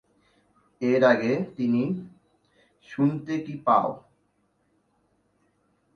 এর আগে তিনি "শুনতে কি পাও!"